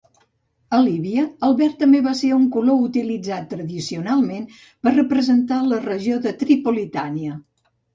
A Líbia, el verd també va ser un color utilitzat tradicionalment per representar la regió Tripolitània.